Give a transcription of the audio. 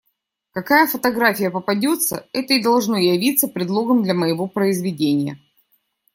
Какая фотография попадется, это и должно явиться предлогом для моего произведения.